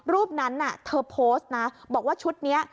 รูปนั้นเธอโพสต์นะบอกว่าชุดนี้